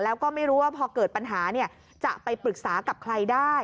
แล้วก็ไม่รู้ว่าพอเกิดปัญหาจะไปปรึกษากับใครได้